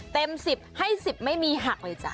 เต็มสิบให้สิบไม่มีหักเลยจ่ะ